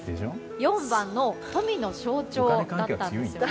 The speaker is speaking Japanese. ４番の富の象徴だったんですね。